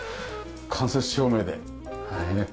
間接照明でねえ。